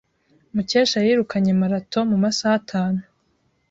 Mukesha yirukanye marato mu masaha atanu.